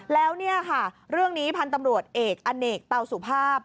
แล้วเนี่ยค่ะเรื่องนี้พันตำรวจเอกแอลท์เอกเปล่าสุภาพ